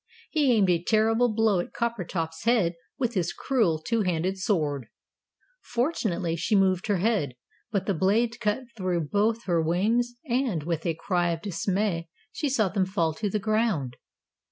he aimed a terrible blow at Coppertop's head with his cruel two handed sword. Fortunately, she moved her head, but the blade cut through both her wings, and, with a cry of dismay, she saw them fall to the ground.